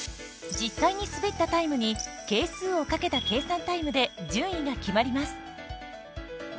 実際に滑ったタイムに係数をかけた計算タイムで順位が決まります。